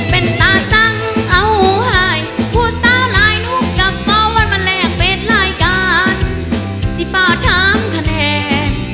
เป็นตาสังเอาหายผู้สาวลายหนูกับบ่ว่ามันแหลกเป็นรายการสิฟ้าทำก็แน่